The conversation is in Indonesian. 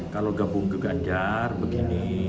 kalau gabung ke ganjar begini